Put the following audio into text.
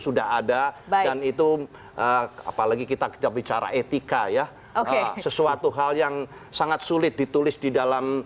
sudah ada dan itu apalagi kita bicara etika ya sesuatu hal yang sangat sulit ditulis di dalam